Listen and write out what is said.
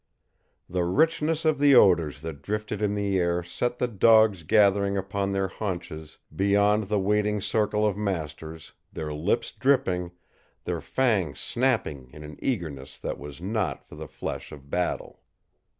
The richness of the odors that drifted in the air set the dogs gathering upon their haunches beyond the waiting circle of masters, their lips dripping, their fangs snapping in an eagerness that was not for the flesh of battle.